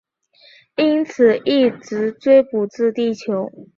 因此一直追捕至地球。